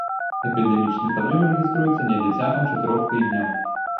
Эпідэмічны пад'ём рэгіструецца недзе цягам чатырох тыдняў.